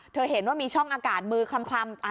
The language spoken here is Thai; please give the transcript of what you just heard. เห็นว่ามีช่องอากาศมือคลำ